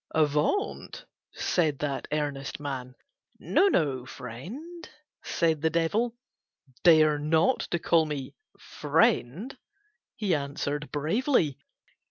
"Avaunt," said that earnest man. "No, no, friend," said the Devil. "Dare not to call me 'friend,'" he answered bravely.